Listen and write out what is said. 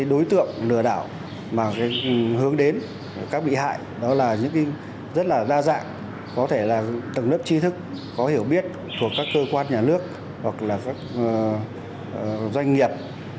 đối tượng lừa đảo mà hướng đến các bị hại đó là những rất là đa dạng có thể là tầng lớp chi thức có hiểu biết thuộc các cơ quan nhà nước hoặc là các doanh nghiệp